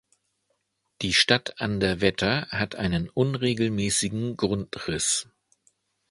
Die Stadt an der Wetter hat einen unregelmäßigen Grundriss.